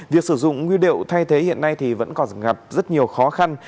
việc sử dụng nguyên liệu thay thế hiện nay thì vẫn còn gặp rất nhiều khó khăn